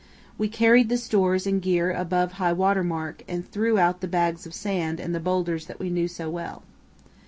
We carried the stores and gear above high water mark and threw out the bags of sand and the boulders that we knew so well.